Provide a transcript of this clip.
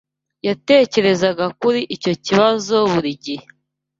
Yatekerezaga kuri icyo kibazo buri gihe.